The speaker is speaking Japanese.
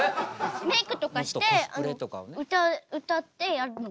メークとかして歌ってやるのがいいです。